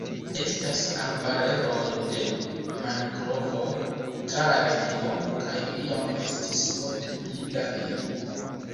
Estas arbareroj de mangrovoj tra la regiono kaj iam estis multe pli da ili.